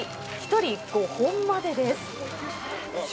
１人５本までです。